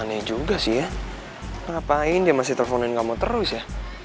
aneh juga sih ya ngapain dia masih teleponin kamu terus ya